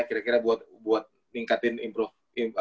kira kira buat ningkatin improve